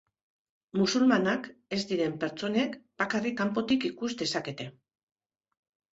Musulmanak ez diren pertsonek bakarrik kanpotik ikus dezakete.